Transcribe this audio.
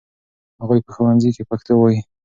هغوی په ښوونځي کې پښتو وايي.